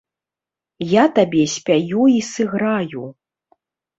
Я табе спяю і сыграю.